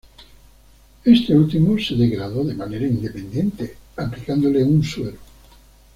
Este último se degradó de manera independiente, aplicándole un suero.